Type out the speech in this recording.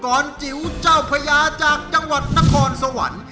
กรจิ๋วเจ้าพญาจากจังหวัดนครสวรรค์